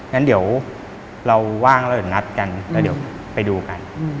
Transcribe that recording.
งั้นเดี๋ยวเราว่างแล้วเดี๋ยวนัดกันแล้วเดี๋ยวไปดูกัน